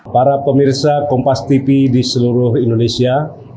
para pemirsa kompas tv di seluruh indonesia